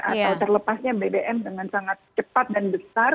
atau terlepasnya bbm dengan sangat cepat dan besar